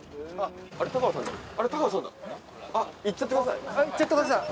あっ行っちゃってください。